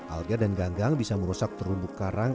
alga dan ganggang bisa merusak terumbu karang